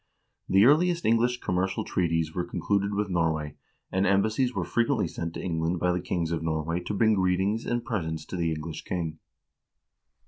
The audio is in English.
The earliest English commercial treaties were concluded with Norway, and embassies were frequently sent to Eng land by the kings of Norway to bring greetings and presents to the English king.